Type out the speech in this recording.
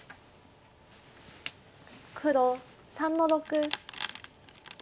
黒３の六。